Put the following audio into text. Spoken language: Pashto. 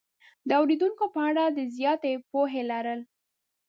د اورېدونکو په اړه د زیاتې پوهې لرل